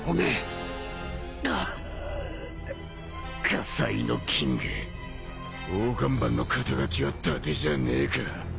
火災のキング大看板の肩書はだてじゃねえか。